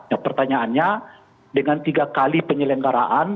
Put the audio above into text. nah pertanyaannya dengan tiga kali penyelenggaraan